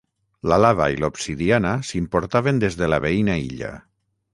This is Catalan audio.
La lava i l'obsidiana s'importaven des de la veïna illa.